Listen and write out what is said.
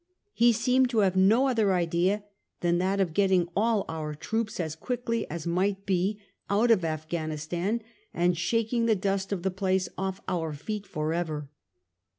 He seemed to have no other idea than that of getting all our troops as quickly as might be out of Afghanistan and shaking the dust of the place off our feet for ever.